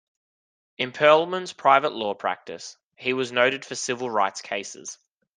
In Perlman's private law practice, he was noted for civil rights cases.